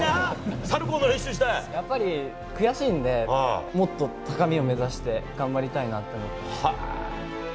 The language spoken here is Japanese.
やっぱり悔しいんで、もっと高みを目指して頑張りたいなって思います。